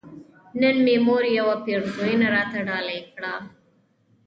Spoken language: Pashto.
نن مې مور يوه پيرزوينه راته ډالۍ کړه